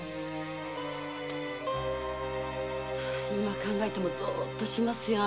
今考えてもゾッとしますよ。